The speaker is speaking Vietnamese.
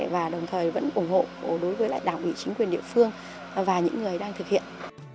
và đồng thời vẫn ủng hộ đối với lại đảng ủy chính quyền địa phương và những người đang thực hiện